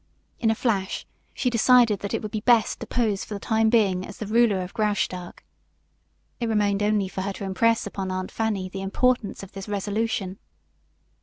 In a flash she decided that it would be best to pose for the time being as the ruler of Graustark. It remained only for her to impress upon Aunt Fanny the importance of this resolution.